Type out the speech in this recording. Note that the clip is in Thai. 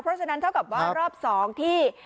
เพราะฉะนั้นเท่ากับว่ารอบ๒ที่